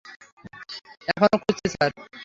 এখনও খুঁজছি, স্যার।